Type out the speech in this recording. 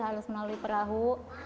lalu melalui perahu